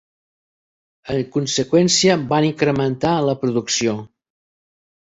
En conseqüència, van incrementar la producció.